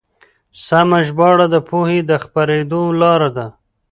سمه ژباړه د پوهې د خپرېدو لاره ده.